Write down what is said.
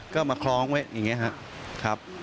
ก็มาคล้องไว้อย่างนี้ครับ